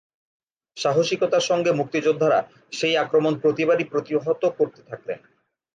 সাহসিকতার সঙ্গে মুক্তিযোদ্ধারা সেই আক্রমণ প্রতিবারই প্রতিহত করতে থাকলেন।